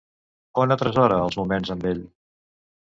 On atresora els moments amb ell?